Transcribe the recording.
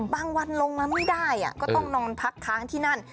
วันลงมาไม่ได้ก็ต้องนอนพักค้างที่นั่น